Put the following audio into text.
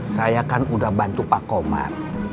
saya kan udah bantu pak komar